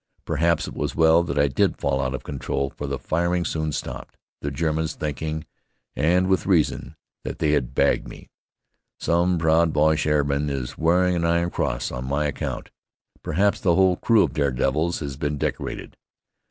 Perhaps it was well that I did fall out of control, for the firing soon stopped, the Germans thinking, and with reason, that they had bagged me. Some proud Boche airman is wearing an iron cross on my account. Perhaps the whole crew of dare devils has been decorated.